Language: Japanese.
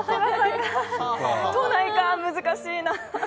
都内か、難しいな。